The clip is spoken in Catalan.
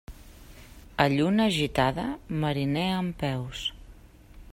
A lluna gitada, mariner en peus.